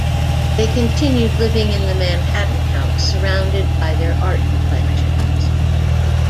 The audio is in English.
They continued living in the Manhattan house surrounded by their art collections.